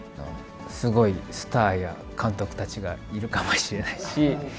すごいスターや監督たちがいるかもしれないし。